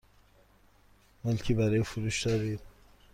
ملکی برای فروش دارید؟